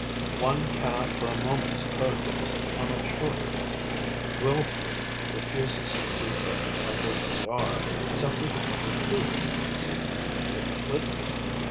One cannot for a moment suppose that Mr. Clement Shorter wilfully refuses to see things as they really are, simply because it pleases him to see them differently?